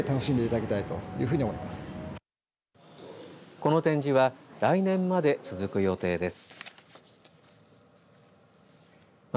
この展示は来年まで続く予定です。